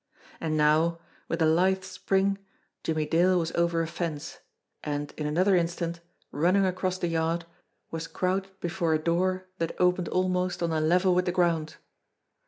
And now, with a lithe spring Jimmie Dale was over a fence, and in another instant, running across the yard, was crouched before a door that opened almost on a level with the ground.